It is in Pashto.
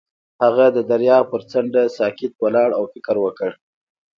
هغه د دریاب پر څنډه ساکت ولاړ او فکر وکړ.